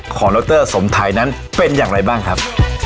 ดรสมไทยนั้นเป็นอย่างไรบ้างครับ